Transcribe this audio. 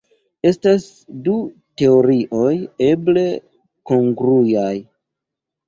Estas du teorioj eble kongruaj.